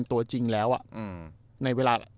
ตัวจริงแล้วในเวลา